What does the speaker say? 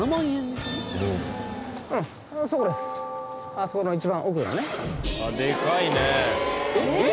あそこの一番奥のねえっ？